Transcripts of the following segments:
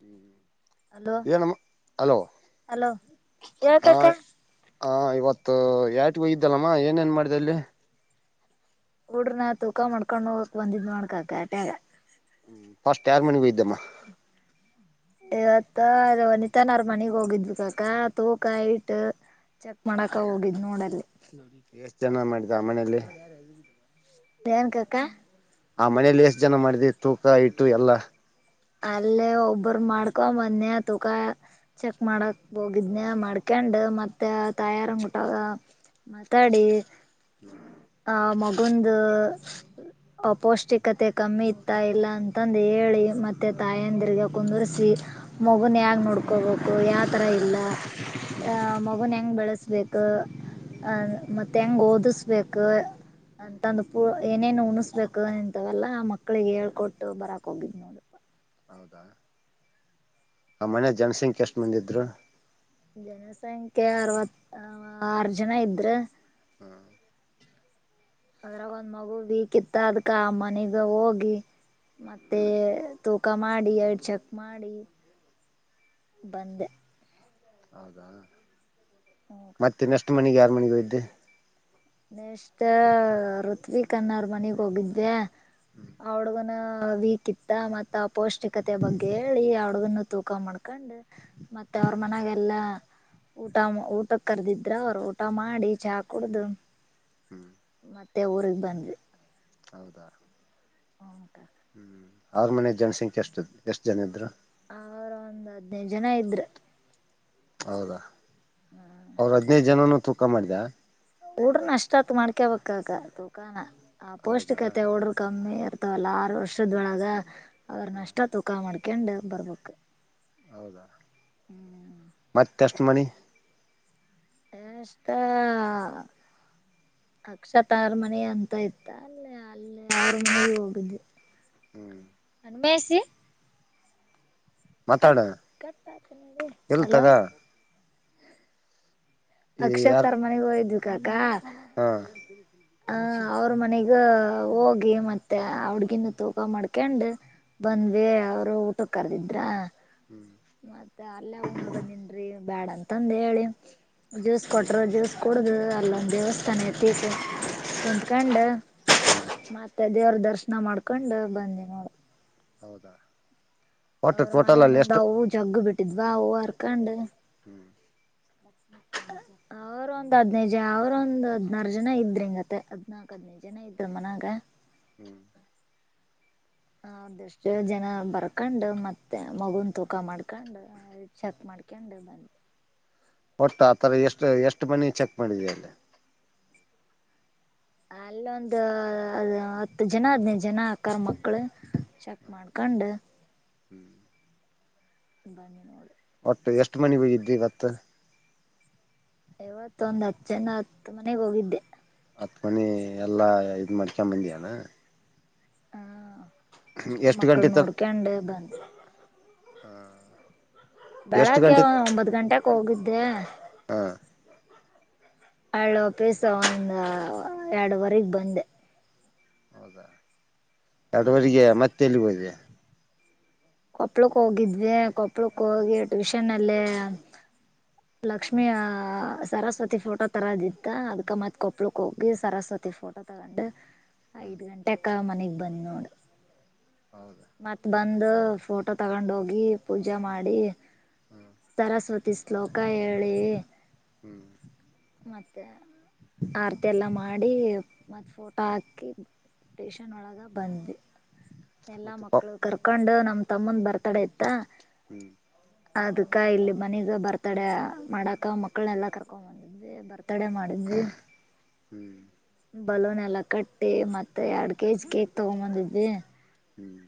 ಹ್ಮ್. Hello, hello, ಹೇಳ್ ಕಾಕ ಹಾ ಇವತ್ತು ಯಾಟ್ಗೋಗಿದ್ದಲ್ಲಮ್ಮ ಏನೇನ್ ಮಾಡ್ದೇ ಅಲ್ಲಿ? ಹುಡುರ್ನ ತೂಕ ಮಾಡ್ಕೊಂಡ್ ಹೋಗಕ್ ಬಂದಿದ್ನೋಡ್ ಕಾಕ ಆಟೆಯ. ಹ್ಮ, ಫಷ್ಟ್ ಯಾರ್ ಮನೀಗ್ ಹೋಗಿದ್ದಮ್ಮ? ಇವತ್ತ ಅದೆ ವನಿತ ಅನವ್ರ್ ಮನಿಗ್ ಹೋಗಿದ್ವಿ ಕಾಕ ತೂಕ ಹೈಟ ಚೆಕ್ ಮಾಡಕ ಹೋಗಿದ್ ನೋಡಲ್ಲಿ. ನೋಡಿ ಎಷ್ಟ್ ನಾವ ಜನ ಮಾಡಿದ ಆ ನೀ ಮನೇಲಿ ನೋಡ್ ಯಾರ ತೇನ್ ಕಾಕ? ಆ ಮನೇಲ್ ಎಷ್ಟ್ ಜನ ಮಾಡ್ದಿ ತೂಕ ಹೈಟು ಎಲ್ಲ? ಅಲ್ಲೇ ಒಬ್ರ್ ಮಾಡ್ಕೊ ಬಂದ್ನ್ಯ ತೂಕ ಚೆಕ್ ಮಾಡಕ್ ಹೋಗಿದ್ನ್ಯಾ ಮಾಡ್ಕಂಡು ಮತ್ತೆ ತಾಯರಂಗ್ ಗುಟ ಮಾತಾಡಿ ಆ ಮಗ್ ಒಂದು ಅಪೌಷ್ಟಿಕತೆ ಕಮ್ಮಿ ಇತ್ತಾ ಇಲ್ಲ ಅಂತಂದ್ ಹೇಳಿ ಮತ್ ಮತ್ತೆ ತಾಯಂದಿರ್ಗೆ ಕುಂದ್ರ್ಸಿ ಮಗುನ್ ಹ್ಯಾಗ್ ನೋಡ್ಕೋಬೇಕು ಯಾವತರ ಇಲ್ಲ, ಹಾ ಮಗುನ್ ಹೆಂಗ್ ಬೆಳೆಸ್ಬೇಕು ಅ ಮತ್ತೆ ಹೆಂಗ್ ಓದಸ್ಬೇಕು ಅಂತಂದು ಪು ಏನೇನು ಉಣಸ್ಬೇಕು ಇಂತವೆಲ್ಲಾ ಮಕ್ಕಳಿಗ್ ಹೇಳ್ಕೊಟ್ಟು ಬರಾಕ್ ಹೋಗಿದ್ ನೋಡಪ್ಪಾ. ಹೌದಾ ಆ ಮನೆ ಜನಸಂಖ್ಯೆ ಎಷ್ಟ್ ಮಂದಿ ಇದ್ರು? ಜನಸಂಖ್ಯೆ ಅರವತ್ ಆರ್ ಜನ ಇದ್ರ, ಅದ್ರಾಗ ಒಂದ್ ಮಗು ವೀಕ್ ಇತ್ತ ಅದ್ಕ ಆ ಮನೀಗ ಹೋಗಿ ಮತ್ತೆ ತೂಕ ಮಾಡಿ ಐಟ್ ಚೆಕ್ ಮಾಡಿ ಬಂದೆ. ಹೌದಾ ಹಗ ಮತ್ತೆ ನೆಷ್ಟಸ್ಟ್ ಮನೆಗೆ ಯ- ಮನಿಗೋಗಿದೆ. ನೆಸ್ಟ್ ಋತ್ವಿಕ್ ಅನ್ನಾರ್ ಮನಗ್ ಹೋಗಿದೆ ಅವಡ್ಗನ ವೀಕ್ ಇತ್ತ ಮತ್ತ ಅಪ್ ಪೌಷ್ಟಿಕತೆೆಯ ಬಗ್ಗೆ ಹೇಳಿ. ಹಡುಗನ್ನು ತೂಕ ಮಾಡ್ಕೊಂಡ್ ಮತ್ತೆ ಅವ್ರ ಮನಾಗೆಲ್ಲಾ ಊಟ ಊಟ ಕರ್ದಿದ್ರ ಅವರು ಊಟ ಮಾಡಿ ಚಾ ಕುಡ್ದು ಹ್ಮ್ ಮತ್ತೆ ಊರ್ಗ್ ಬಂದ್ವಿ. ಹೌದಾ ಹೌದ ಆ ಮನೆ ಜನಸಂಖ್ಯೆ ಅಷ್ಟ ಎಷ್ಟ್ ಜನ ಇದ್ರು. ಅವ್ರ ಒಂದ್ ಹದ್ನೈದು ಜನ ಇದ್ರ. ಹೌದಾ. ಅವ್ರ ಹದ್ನೈದು ಜನನು. ತೂಕ ಮಾಡ್ದ ಹಡ್ರ ನಷ್ಟತ್ ಮಾಡ್ಕಬಕ್ ಕಾಕಾ ತದುಕಾನ ಹ ಹೌದಾ ಪೌಷ್ಟಿಕತೆ ಒಡರು ಕಮ್ಮಿ ಇರ್ತ ಇತವಲ್ಲ ಆರು ವರ್ಷದೊಳಗ. ಅವ್ರ ನಷ್ಟ ತೂಕಾ ಮಾಡ್ತಾರೆ ಮಾಡ್ಕಂಡ್ ಬರ್ಬಕ್ - ಹೌದಾ ಮತ್ತೆಷ್ಟ. ಷ್ಟು ಮನಿ ಅಷ್ಟ ಅಕ್ಷತಾರ್ ಮನಿ ಅಂತ ಇತ್ತ ಅಲ್ಲ ಅಲ್ಲೇ ಆರು ಮನ ಹೋಗ್ದು. ಹ್ಮ್. [unintelligible] ಮಾತಾಡ ಕಟ್ ಕಟ್ ಆತನ ಇದ್ ಎಲ್ ಅಲೋ ತಗ ಈ ಯಾರ್ ಅಕ್ಷತರಮನೆಗೆ ಹೋದು ಕಾಕಾ. ಹಾ [inaudible] ಹ ಅವ್ರ ಮನಗ ಹೋಗಿ ಮತ್ತೆ ಅವಡ್ಗಿನ್ನು ತೂಕ ಮಾಡ್ಕಂಡ್. ಹ್ಮ್ ಬಂದ್ವಿ ಅವರು ಊ ಟುಕ್ ಕರ್ದಿದ್ರಾ ಹ್ಮ್ ಮತ್ತೆ ಅಲ್ಲೇ ಉಂಡ್ ಬಂದೀನ್ರೀ ಬ್ಯಾಡ ಅಂತಂದ ಹೇಳಿ ಜ್ಯೂಸ್ ಕೊಟರು ಜ್ಯೂಸ್ ಕುಡ್ದ ಅಲ್ಲೊಂದ ದೇವಸ್ಥಾನ ಎತ್ತಕ್ಕು ಕುತ್ಕಂಡ ಮತ್ತೆ ದೇವ್ರ ದರ್ಶನ ಮಾಡ್ಕೊಂಡ್ ಬಂದಿನ ನೋಡು ಹೌದಾ ಒಟ್ಟು ಅವ್ರ ಮನೆ ಟೋಟಲ್ ಅಲ್ಲಿ ಮುಂದ್ ಎಷ್ಟು ಉವು ಜಗ್ಗ ಬಿಟ್ಟಿದ್ವ ಊವ ಹರ್ ಅಕ್ಕಂಡ ಹ್ಮ್ ಅವರ ಒಂದ್ ಹದ್ನೈ ಜ ಅವ್ರೊಂದ್ ಹದ್ನಾರು ಜನ ಇದ್ರಿ ಹಂಗತ್ತ ಹದ್ನಾಕ ಹದ್ನೈದು ಜನ ಇದ್ರ ಮನಾಗ ಹ್ಮ್ ಹಾ ಅದೆಷ್ಟೆ ಜನ ಬರ್ಕಂಡು ಮತ್ತೆ ಮಗುನ್ ತೂಕ ಮಾಡ್ಕಂಡು ಚೆಕ್ ಮಾಡ್ಕ್ಯಂಡು ಬಂದ್ ಒಟ್ ಆತರ ಎಷ್ಟ ಎಷ್ಟ್ ಮನಿ ಚೆಕ್ ಮಾಡಿದ್ಯ ಅಲ್ಲಿ? ಅಲ್ಲೊಂದ್ ಅ ಹತ್ ಜನ ಹದ್ನೈದ್ ಜನ ಆಕ್ಕಾರ್ ಮಕ್ಳ್ ಚೆಕ್ ಮಾಡ್ಕಂಡು ಹ್ಮ್. ಬನ್ನಿ ನೋಡಿ ಒಟ್ ಎಷ್ಟ್ ಮನೀಗ್ ಹೋಗಿದ್ದಿ ಇವತ್ತ? ಐವತ್ ಒಂದ್ ಹತ್ ಜನ ಹತ್ ಮನೇಗ್ ಹೋಗಿದ್ದೆ. ಹತ್ ಮನಿ ಎಲ್ಲಾ ಇದ್ ಮ್ಯಾಡ್ಕ್ಯಂಬಂದ್ ಏನ? ಹ ಅಷ್ಟು ಮಕ್ಕಳ್ನ್ ನೋಡ್ಕ್ಯಂಡು ಬಂದೆ. ಹಾ. ಬೆಳಗ್ಗೆ ಒಂದ್ ಒಂಬತ್ ಗಂಟ್ಯಾಕ್ ಹೋಗಿದ್ ದೇ ಹಾ. ಅಳ್ಳೋ ಪೀಸೋ ಒಂದ್ ಎರಡೂವರೆಗ್ ಬಂದೆ. ಹೌದಾ? ಎರಡೂವರಿಗ್ಯಾ, ಹ್ಮ ಮತ್ ಎಲ್ಲಿಗ್ ಹೋದೆ? ಕೊಪ್ಳಕ್ ಹೋಗಿದ್ವಿ ಕೊಪ್ಳಕ್ ಹೋಗಿ ಟ್ಯೂಷನ್ ಅಲ್ಲಿ ಲಕ್ಷ್ಮಿ ಆ ಸರಸ್ವತಿ ಫೋಟೋ ತರದಿತ್ತ ಅದ್ಕ ಮತ್ ಕೊಪ್ಳಕ್ ಹೋಗಿ ಸರಸ್ವತಿ ಫೋಟೋ ತಗಂಡ ಐದ್ ಗಂಟೆಗ್ ಕಾ ಮನೀಗ್ ಬಂದ್ ನೋಡ್. ಹೌದಾ ಮತ್ ಬಂದ ಫೋಟೋ ತಗೊಂಡೋಗಿ ಪೂಜೆ ಮಾಡಿ ಸರಸ್ವತಿ ಸ್ಲೋಕ ಹೇಳಿ ಹ್ಮು. ಮತ್ತೆ ಆರ್ತಿ ಎಲ್ಲ ಮಾಡಿ ಮತ್ ಫೋಟೋ ಹಾಕಿ ಟ್ಯೂಷನ್ ಒಳಗ ಬಂದ್ವಿ. ಎಲ್ಲಾ ಮತ್ತೆ ಮಕ್ಕಳು ಕರ್ಕಂಡು ನಮ್ ತಮ್ಮನ್ ಬರ್ತಡೆ ಇತ್ತ ಹ್ಮು. ಅದಕ್ಕ ಇಲ್ಲಿ ಮನೀಗ ಬರ್ತಡೇ ಆ ಮಾಡಕ ಮಕ್ಕಳ್ನೆಲ್ಲ ಕರ್ಕೊಂಡ್ ಬಂದಿದ್ವಿ ಬರ್ತ್ ತಡೇ ಮಾಡದ್ವಿ. ಹ್ಮ್ ಬಲೂನೆಲ್ಲಾ ಕಟ್ಟಿ ಮತ್ತೆ ಎರಡ್ ಕೆಜಿ ಕೇಕ್ ತಗೊಂಬಂದಿದ್ವಿ ಹ್ಮ್.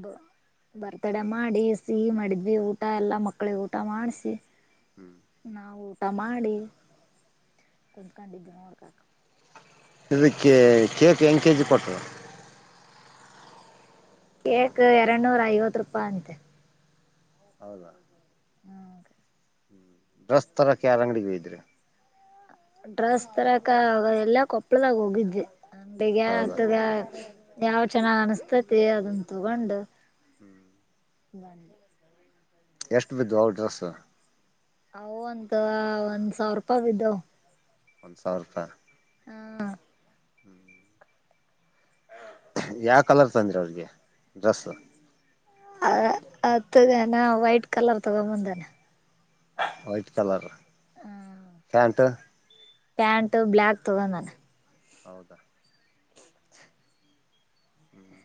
ಬ ಬರ್ತಡೇ ಮಾಡಿ ಸಿಹಿ ಮಾಡಿದ್ವಿ, ಊಟ ಎಲ್ಲಾ ಮಕ್ಳಿಗ್ ಊಟ ಮಾಡ್ಸಿ ಹ್ಮ್ ನಾವು ಟಮಾಡಿ ಕುಂತ್ಕೊಂಡಿದ್ವಿ ನೋಡ್ಕಾಕ. ಇದ್ ಕೇ ಕೇಕ್ ಎಂಗ್ ಕೆಜಿ ಕೊಟ್ರು? ಕೇಕ್ ಎರಡ್ ನೂರ್ ಐವತ್ ರೂಪಾಯ್ ಅಂತೆ. ಹೌದಾ? ಹ್ಮ ಡ್ರಸ್ ತರಕ್ ಯಾರ್ ಅಂಗ್ಡಿಗ್ ಓಗಿದ್ರಿ? ಡ್ರಸ್ ತರಾಕಾ [unintelligible] ಎಲ್ಲಾ ಕೊಪ್ಪಳದಾಗ್ ಹೋಗಿದ್ವಿ. ಹೌದಾ [unintelligible] ಯಾವ್ದ್ ಚನ್ನಾಗ್ ಅನಸ್ತೈತಿ ಅದನ್ ತಗೊಂಡು ಹ್ಮು. ಬಂದ್ ಎಷ್ಟ್ ಬಿದ್ವ್ ವ್ ಡ್ರೆಸ್ಸು? ಅವ್ ಅಂತ್ ಒಂದ್ ಸಾವ್ರ್ ರೂಪಾಯ್ ಬಿದ್ದಾವು. ಒಂದ್ ಸಾವ್ರ್ರೂಪಾಯ್. ಹ್ಞಾಂ. [unintelligible] ಯಾವ್ ಕಲರ್ ತಂದ್ರಿ ಅವ್ರಗೆ, ಡ್ರೆಸ್ಸು? ಆ [unintelligible] ಅಣಾ ವೈಟ್ ಕಲರ್ ತಗೊಂಬಂದೋ ಅಣಾ. ವೈಟ್ ಕಲರ, ಪ್ಯಾಂಟ? ಪ್ಯಾಂಟು ಬ್ಲ್ಯಾಕ್ ತಗೊಂಡಾನ. ಹೌದಾ? ಹ್ಮ್.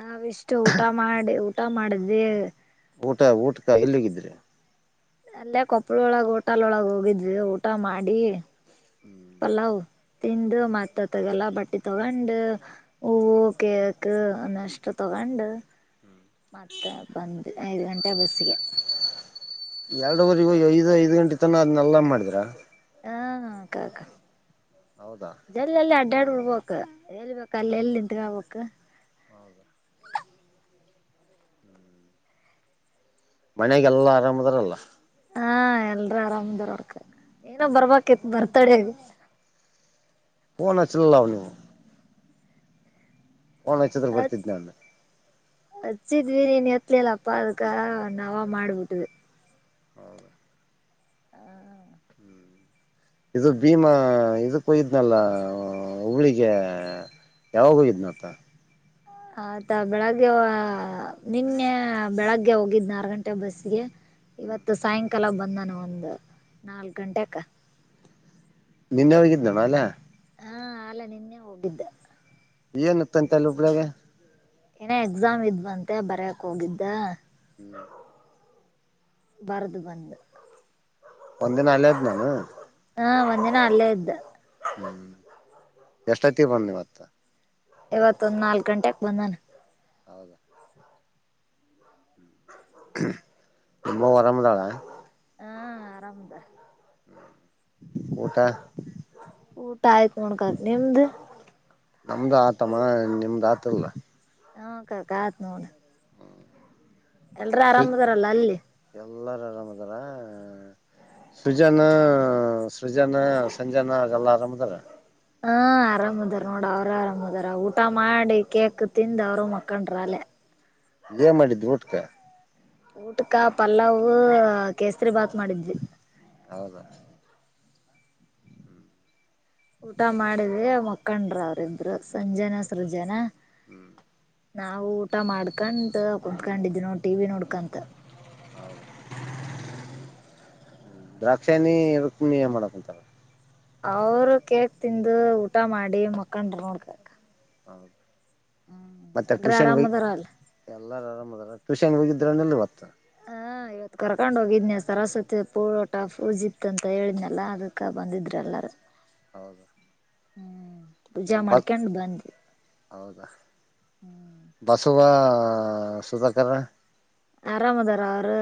ನಾವಿಷ್ಟ್ ಊಟ ಮಾಡಿ ಊ ಟ ಮಾಡದ್ವಿ ಊಟ ಊಟಕ ಎಲ್ಲಿಗಿದ್ರಿ? ಅಲ್ಲೇ ಕೊಪ್ಪಳ್ದೊಳಗ್ ಓಟಾಲೊಳಗ್ ಹೋಗಿದ್ವಿ, ಊಟ ಮಾಡೀ ಹ್ಮ್ ಪಲಾವು ತಿಂದು ಮತ್ತತ್ತಗಲ್ಲ ಬಟ್ಟೆ ತಗೊಂಡ ಹೂವು ಕೇಕ್ ನ್ನಷ್ಟ ತಗೊಂಡು. [unintelligible] ಬಂದ್ ಐದು ಗಂಟೆ ಬಸ್ಗೆ. ಎರಡುವರು ಇಗ ಐದು್ ಐದ್ ಗಂಟೆ ತನ ಅದ್ನೆೆಲ್ಲ ಮಾಡಿದ್ರ. ಹಾ ಕಾಕ ಹೌದಾ ಜಲ್ಲ ಅಲ್ಲಿ ಅಡ್ಡಾಡ. ಹೋಗಕ್ ಹೇಳ್ಬೇಕ್ ಅಲ್ಲಿ ಎಲ್ಲಿ ನಿಂತ್ಕಬೇಕು ಹೌದಾ. ಮನೆಗೆಲ್ಲಾ ಆರಾಮದ್ರಲ್ಲ. ಹಾ ಎಲ್ರೂ ಆರಾಮದರೋರ್ಕ. ಏನೋ ಬರ್ಬೇಕೇತ್ ಬರ್. ತಡೆ. ಪೋನ್ ಹಚ್ಚಿಲ್ಲವು ನೀವು ಪೋನ್ ಹಚ್ಚಿದರೆ ಬರ್ತಿದೆ ನಾನು ಹಚ್ಚಿದ್ವಿ ನೀನ್ ಎತ್ಲಿಲ್ಲಪ್ಪಾ ಅದಕ್ಕ ನಾವ ಮಾಡ್ಬಿಟ್ಟವಿ. ಹೌದ. ಹ. ಹ್ಮ್ ಇದು ಭೀಮಾ ಇದಕ್ಕ ಹೋಯಿದ್ನಲ್ಲ ಹುಬ್ಬಳ್ಳಿಗೆ ಯಾವಾಗ ಹೋಗಿದ್ನತ. ಆಯ್ತಾ ಬೆಳಗ್ಗೆ ನಿನ್ನೆ ಬೆಳಗ್ಗೆ ಹೋಗಿದ್ನ ಆರ್ ಗಂಟೆ ಬಸ್ಗೆ. ಇವತ್ತು ಸಾಯಂಕಾಲ. ಕೆಲ ಬಂದಾನ ಒಂದ್ ನಾಲ್ಕ್ ಗಂಟೆಕ್ಕ. ನಿನ್ನೆ ಹೋಗಿದ್ದ್ನಾನ ಅಲ್ಲಾ. ಹಾ ಅಲ್ಲ ನಿನ್ನೆ ಹೋಗಿದ್ದ. ಏನುತ್ತ ಅಂತಲ್ಲಿ ಹುಬ್ಳಿಗೆ. ಏನ ಎಕ್ಸಾಮ್ ಇದ್ವಂತೆ ಬರಯಾಕ್ ಹೋಗಿದ್ದ. ಹ್ಮ್ ಬರ್ದ ಬಂದು ಒಂದಿನ ಅಲ್ಲೇ ಇದ್ದೇನೆನಾ ಹಾ ಒಂದಿನ ಅಲ್ಲೇ ಇದ್ದ ಹ್ಮ್ ಎಷ್ಟೈತಿ ಬಂದಿಮತ್ತ ಇವತ್ತು ಒಂದ್ ನಾಲ್ಕ್ ಗಂಟೆಕ್ ಬಂದಾನ ಹೌದಾ ನಿಮ್ಮವ್ವ ಆರಾಮದಳ ಹಾ ಆರಾಮದಾಲ ಊಟಾ ಊಟ ಆಯ್ತು ನೋಡ್ ಕಾಕ್ ನಿಮ್ದ ನಮ್ದು ಆತಮ್ಮ ನಿಮ್ದ್ ಆತಲ್ಲ ಹಾ ಕಕಾ ಆತ್ ನೋಡ್ ಎಲ್ರ ಆರಾಮದಾರಲ್ಲ ಅಲ್ಲಿ ಎಲ್ಲಾರ ಆರಾಮ್ದಾರ ಸೃಜನ ಸೃಜನ ಸಂಜನಾ ಅಲ್ಲ ಆರಾಮದಾರ ಹ್ಮ ಆರಾಮ್ದಾರ ನೋಡ ಅವ್ರ ಆರಾಮ್ದಾರ ಊಟ ಮಾಡಿ ಕೇಕ್ ತಿಂದ ಅವರು ಮಕ್ಕಂಡ್ರ ಅಲ್ಲೆ ಇದೇ ಮಾಡಿದು ಉಟ್ಕೆ ಊಟಕಾ ಪಲ್ಲಾವ್ ಕೇಸ್ ರಿ ಬಾತ್ ಮಾಡಿದ್ವಿ ಹೌದಾ ಊಟ ಮಾಡ್ವಿ ಮಕ್ಕಂಡ್ರ ಅವರಿಬ್ರು ಸಂಜನಾ ಸೃಜನಾ ಹ್ಮ್ ನಾವು ಊಟ ಮಾಡ್ಕ ಕುತ್ಕೊಂಡಿದ್ ನ ಟಿ ವಿ ನೋಡ್ಕಂತ ಹೌದು ದ್ರಾಕ್ಷಾನಿ ರುಕ್ಮಿಣಿ ಏನ್ ಮಾಡಕ್ಂತಾರ ಅವರು ಕೇಕ್ ತಿಂದು ಊಟ ಮಾಡಿ ಮಕ್ಕಂಡ್ರ ನೋಡ್ಬೇಕ ಹೌದು ಮತ್ತೆ ಎಲ್ರ ಟ್ಯೂಷನ್ ಗೆ ಆರಾಮದಾರ ಅಲ್ ಹೋಗ ಎಲ್ಲರ ಟೂಷನ್ ಹೋಗಿದ್ರಲ್ಲಿವತ್ತು ಹಾ ಇವತ್ತು ಕರ್ಕೊಂಡ್ ಹೋಗಿದ್ನಿ ಸರಸ್ವತಿ ಪೂರೋಟ ಪೂಜಿತ್ ಅಂತ ಹೇಳಿದ್ನಲ್ಲಾ ಅದಕ್ಕ ಬಂದಿದ್ರ ಎಲ್ಲಾರ ಹೌದಾ ಹ್ಮ್ ಪೂಜಾ ಮಾಡ್ಕೊಂಡ್ ಬಂದ್ವಿ ಹೌದಾ ಹ್ಮ್ ಬಸ ಸಪ್ಪ ಸುಧಾಕರ ಆರಾಮದಾರ ಅವರು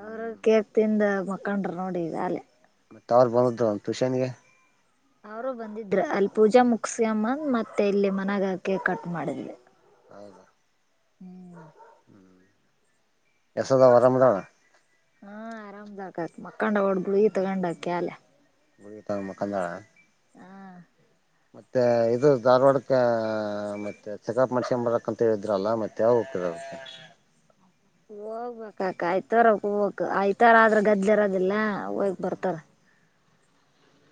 ಅವರು ಹ್ಮ್ ಕೇಕ್ ತಿಂದ ಮುಖಂಡರು ನೋಡಿಗ ಅಲೆ ಮತ್ತ ಅವ್ರು ಬಂದದರು ಒಂದು ಟ್ಯೂಷನ್ಗೆ ಅವರು ಬಂದಿದ್ರ ಅಲ್ಲಿ ಪೂಜಾ ಮುಗಸಿಯಮ್ಮನ್ ಮತ್ತೆ ಇಲ್ಲಿ ಮನೆಗ ಕೇಕ್ ಕಟ್ ಮಾಡಿದ್ವಿ ಹೌದು ಹ್ಮ್ ಯಶೋಧ ಅರಮಿದ್ದಲ್ಲಾ ಹಾ ಆರಾಮ್ದಕತ್ ಮಕ್ಕಂಡ ಗುಳಿಗೆ ತಗೊಂಡಕೀ ಅಲೆ [unintelligible] ಮಕಂಡಲ ಹಾ ಮತ್ತೆ ಇದು ಧಾರವಾಡಕ್ಕೆ ಮತ್ತೆ ಚೆಕಾಪ್ ಮಣಸಂಬಕ್ ಅಂತ ಹೇಳಿದ್ರಲ್ಲ ಮತ್ತೆ ಯಾವ ಹೋಗ್ತರ ಹೋಗ್ಬೇಕಕ ಐ್ತವಾರ ಹೋಗ್ಕ್ ಐ್ತವಾರ ಆದ್ರ ಗದ್ಲಿ ಇರೋದಿಲ್ಲ ಹೋಗ ಬರ್ತಾರ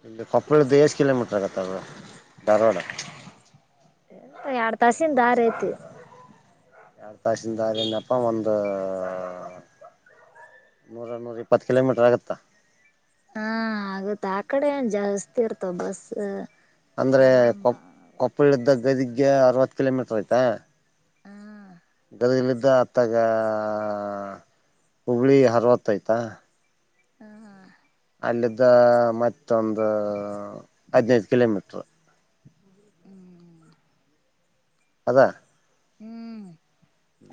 ಇ ಕೊಪ್ಪಳ ದ ಎಷ್ಟು ಕಿಲೋಮೀಟರ್ ಆಗತ್ತ ಅದು ಧಾರವಾಡ. ಎರಡು ತಾಸಿಂದ ದಾರ ಐತಿ. ಎರಡ್ ತಾಸಿಂದಾರಏನಪ್ಪ ಒಂದು ನೂರ ನೂರ ಇಪ್ಪತ್ತು ಕಿಲೋಮೀಟರ್ ಆಗತ್ತಾ. ಹಾ ಆಗತ್ ಆ ಕಡೆ ಏನ್ ಜಾಸ್ತಿ. ತೀರ್ತ ಬಸ್ ಆರಾಮ ಗದಿಗ್ಗೆ ಅರವತ್ತು ಕಿಲೋಮೀಟ್ರರ್ ಆಯ್ತಾ. ಹಾ. ಗದಲಿದ್ದ ಅತ್ತಾಗ ಹುಬಳಿ ಹರ್ವತ್ತಯ್ತಾ. ಹಾ ಹಾ. ಅಲ್ಲಿದ್ದ ಮತ್ತೊಂದು ಹದ್ನಿದ್ ಕಿಲೋಮೀಟರ್. ಹ್ಮ್. ಅದಾ. ಹ್ಮ್.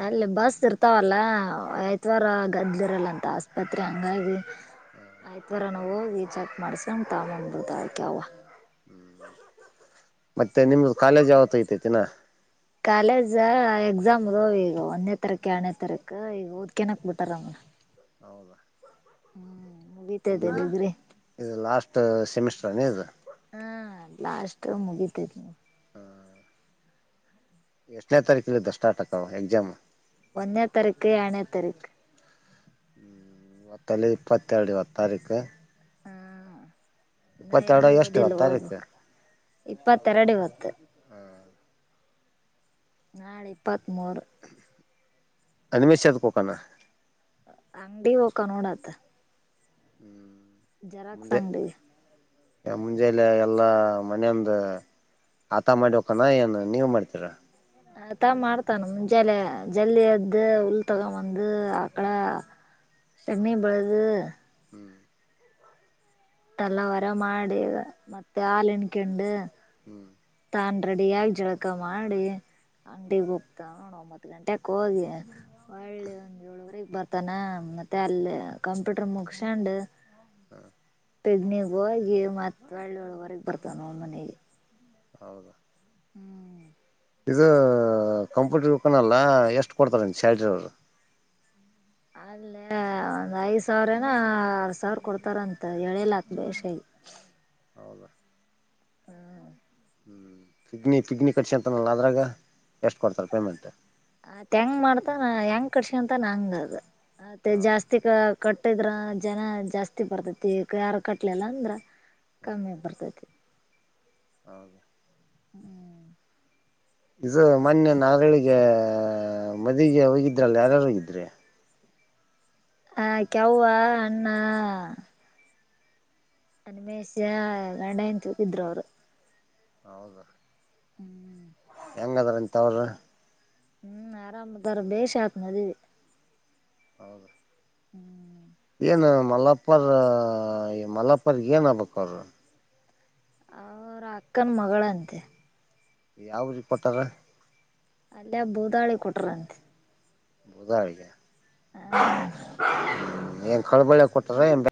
ಅಲ್ಲ ಬಸ್ ಇರ್ ತಾವಲ್ಲ ಐದ್ವಾರ ಗದ್ಲಿರಲ್ಲ ಅಂತ ಆಸ್ಪತ್ರೆ ಹಂಗಾಗಿ ಐದ್ವಾರಾನ ಹೋಗಿ ಚೆಕ್ ಮಾಡ್ಸಕೊಂಡ್ ತಕ್ಯಾವ. ಮತ್ತೆ ನಿಮ್ದು ಕಾಲೇಜ್ ಯಾವತ್ತ ಐತಿ ದಿನ. ಕಾಲೇಜ ಎಕ್ಸಾಮ್ ಅ ಈಗ ಒಂದ್ನೇ ತಾರೀಕ ಎರ್ಡ್ನೇ ತಾರೀಕ್ ಈಗ ಓದ್ಕನಕ್ ಬಿಟಾರಮ್ಮ. ಓ ಹೆಂಗೋ. ಹ್ಮ್. ಮುಗಿತೈತೆ ಹೇಗಿದೆ ಡಿಗ್ರಿ ಇದು ಲಾಸ್ಟ್ ಸೆಮಿಸ್ಟ್ರನೇ ಇದು. ಲಾಸ್ಟ ಮುಗಿತೆದಿ. ಎಷ್ಟನೇ ತಾರೀಕು ಇಂದ ಸ್ಟಾರ್ಟ್ ಆಗ್ತವ ಎಕ್ಸಾಮ್. ಒಂದ್ನೇ ತಾರೀಕ ಎರ್ಡನೇ ತಾರೀಕ್. ಹ್ಮ್ ಒತ್ತಲ್ಲಿ ಇಪ್ಪತ್ತೆರ್ಡು ಇವತ್ತ ತಾರೀಕ. ಹ್ಮ. ನಾ ಏನು ಎಷ್ಟು ಓದಿಲ್ಲ ಇವತ್ತು ತಾರೀಕು ಹೋಗ್ಬೇಕ ಇಪ್ಪತ್ತೆರ್ಡ ಇವತ್ತು. ನಾಳ್ ಇಪ್ಪತ್ ಮೂರು. ಅದ್ಮಿ ಶೆತ್ಕ ಹೋಕನ. ಅಂಗ್ಡಿ ಹೊಕ ನೋಡಾತ. ಹ್ಮ್. ಜರಾಕ್ಸ್ ಅಂಗ್ಡಿ. ಮುಂಜಾಲೆ ಎಲ್ಲಾ ಮನೆಯೊಂದ ಆತ ಮಾಡಿ ಹೊಕಾನ ಏನ್ ನೀವ್ ಮಾಡ್ತೀರ. ಆತ ಮಾಡ್ತಾನ ಮುಂಜಲ್ಲೆ ಜಲ್ದಿ ಎದ್ದ ಉಲ್ ತಗೊಂಬಂದು ಆಕಳ ಸಗ್ಣಿ ಬಳ್ದು. ಹ್ಮ್ ತ್ತಲ್ಲ ವರ ಮಾಡಿ, ಮತ್ತೆ ಹಾಲ ಹಿಡ್ಕಂಡು. ಹ್ಮ್. ತಾನ್ ರೆಡಿಯಾಗಿ ಜಳ್ಕ ಮಾಡಿ ಅಂಗ್ಡಿ ಹೋಗತ ನೋ ಒಂಬತ್ತು ಗಂಟೆಕ್ ಹೋಗಿ ಒಳ್ಳಿ ಒಂದ್ ಏಳುವರೆಗ್ ಬರ್ತಾನ ಮತ್ತೆ ಅಲ್ಲಿ ಕಂಪ್ಯೂಟರ್ ಮುಗ್ಕ್ಸಂಡ್. ಹಾ ಪೆಗ್ನಿಗ್ ಹೋಗಿ ಮತ್ ಒಳ್ ಏಳುವರಿಗ್ ಬರ್ತಾನ ಅವ್ನ್ ಮನಿಗೆ. ಹೌದಾ. ಹ್ಮ್. ಇದು ಕಂಪ್ಯೂಟರ್ ಹೊಕನ್ ಅಲ್ಲ ಎಷ್ಟು ಕೊಡ್ತಾರ ಸ್ಯಾಲ್ರಿ ಅವ್ರು. ಅಲ್ಲೇ ಒಂದ್ ಐದ್ ಸಾವ್ರನ ಆರ್ ಸಾವ್ರ ಕೊಡ್ತಾರಂತ ಹೇಳಿಲ್ಲ [unintelligible] ಆಗಿ. ಹೌದಾ. ಪಿಗ್ನಿ ಪಿಗ್ನಿ ಕಟ್ಸ್ ಅಂತನಲ್ಲ ಆದ್ರಾಗ ಎಷ್ಟು ಕೊಡ್ತಾರೆ ಪೇಮೆಂಟ್. ಅದೆಂಗ್ ಮಾಡ್ತನ ಹೆಂಗ್ ಕಡ್ಸಿಗಂತನ ಹಂಗ ಅದ. ಹತ್ತೆ ಹೌದು ಜಾಸ್ತಿ ಕ ಕಟ್ಟಿದ್ರ ಜನ ಜಾಸ್ತಿ ಬರ್ತತಿ ಯಾರು ಕಟ್ಲಿಲ್ಲ ಅಂದ್ರ. ಕಮ್ಮಿ ಬರ್ತತಿ. ಹೌದಾ ಹ್ಮ್ ಇದು ಮೊನ್ನೆ ನಾಗಳಿಗೆ ಮದಿಗೆ ಹೋಗಿದ್ರಲ್ಲ ಯಾರಾರು ಹೋಗಿದ್ರಿ. ಹಾ ಕೆವ್ವಾ ಅಣ್ಣಾ. ತನ್ಮೆಸ್ಯ ಗಂಡ ಹೆಂತಿ ಹೋಗಿದ್ರು ಅವ್ರು. ಹೌದಾ ಹ್ಮ್ ಹೆಂಗದರಂತ ಅವ್ರು. ಹ್ಮ್ ಆರಾಮದರ ಬೆಷ್ ಅತು ಮದುವಿ. ಹೌದಾ ಹ್ಮ್ ಏನ್ ಮಲ್ಲಪ್ಪರ ಮಲ್ಲಪ್ಪರ್ ಏನ್ಬೇಕ್ ಅವ್ರು. ಅ ಅವ್ರ ಅಕ್ಕನ್ ಮಗಳಂತೆ. ಯಾವುರಿಗ್ ಕೊಟ್ಟಾರ. ಅಲ್ಲೇ ಬೂಡಳಿ ಕೊಟ್ರಂತೆ. ಬೂದಾಳಿಗೆ. ಹ ತರ ಏನ್ ಬ್